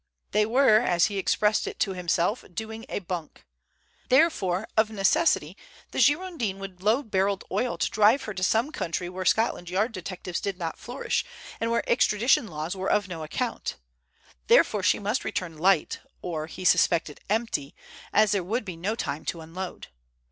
They were, as he expressed it to himself, "doing a bunk." Therefore of necessity the Girondin would load barrelled oil to drive her to some country where Scotland Yard detectives did not flourish, and where extradition laws were of no account. Therefore she must return light, or, he suspected, empty, as there would be no time to unload.